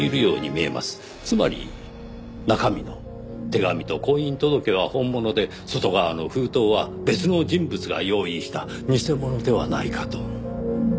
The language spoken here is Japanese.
つまり中身の手紙と婚姻届は本物で外側の封筒は別の人物が用意した偽物ではないかと。